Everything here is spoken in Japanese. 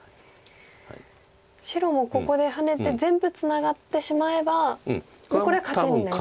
白もここでハネて全部ツナがってしまえばこれは勝ちになりますか。